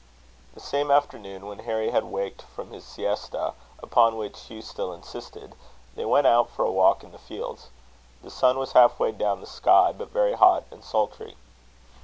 The same afternoon, when Harry had waked from his siesta, upon which Hugh still insisted, they went out for a walk in the fields. The sun was half way down the sky, but very hot and sultry.